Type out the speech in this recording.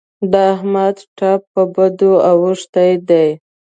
د احمد ټپ په بدو اوښتی دی.